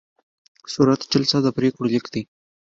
صورت جلسه د پریکړو لیکل دي